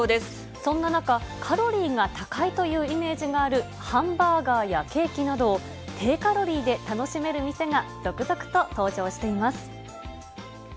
そんな中、カロリーが高いというイメージがあるハンバーガーやケーキなどを、低カロリーで楽しめる店が続々と登場しています。